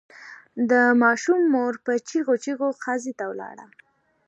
د ماشوم مور په چیغو چیغو قاضي ته ولاړه.